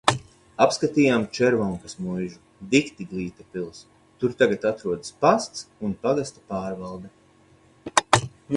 Apskatījām Červonkas muižu. Dikti glīta pils. Tur tagad atrodas pasts un pagasta pārvalde.